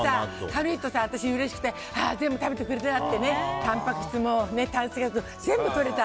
軽いとさ、私うれしくて全部食べてくれたってたんぱく質も炭水化物も全部とれた。